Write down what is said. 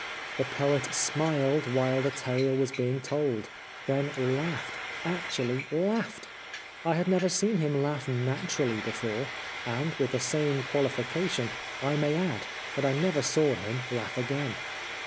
The Poet smiled while the tale was being told, then laughed — actuUy laughed. I had never seen him laugh naturally before, and, with the same qualification, I may add that I never saw him laugh again.